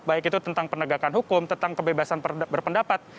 baik itu tentang penegakan hukum tentang kebebasan berpendapat